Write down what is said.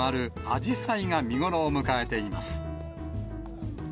あじさいが見頃を迎えています。